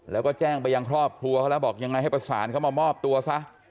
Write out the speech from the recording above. แล้วก็แจ้งไปยังครอบครัวเขาแล้วบอกยังไงให้ประสานเข้ามามอบตัวซะ